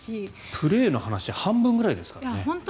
プレーの話半分くらいですからね。